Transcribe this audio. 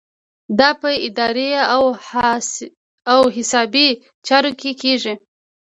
دا په اداري او حسابي چارو کې کیږي.